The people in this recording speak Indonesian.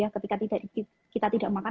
ketika kita tidak makan